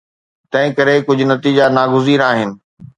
تنهن ڪري ڪجهه نتيجا ناگزير آهن.